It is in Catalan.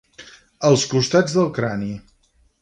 Als costats del crani